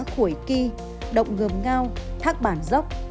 khuổi kỳ động ngườm ngao thác bản dốc